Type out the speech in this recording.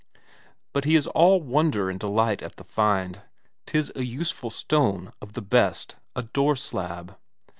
But he is all wonder and delight at the find; 'tis a useful stone of the best, a door slab.